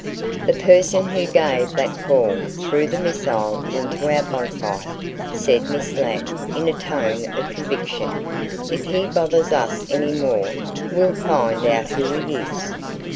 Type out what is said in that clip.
"The person who gave that call threw the missile into our bonfire," said Miss Ladd in a tone of conviction. "If he bothers us any more we'll find out who he is."